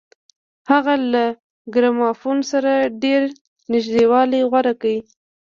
هغه له ګرامافون سره ډېر نږدېوالی غوره کړ